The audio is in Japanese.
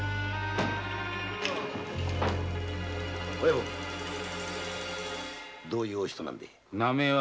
親分どういうお人なんで？